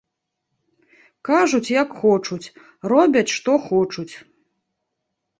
Кажуць як хочуць, робяць што хочуць.